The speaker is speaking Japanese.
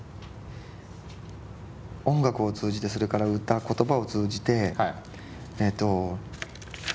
音楽を通じてそれから歌言葉を通じてえっと。